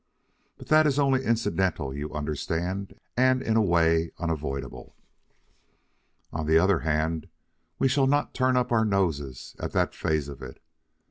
But that is only incidental, you understand, and in a way, unavoidable. On the other hand, we shall not turn up our noses at that phase of it.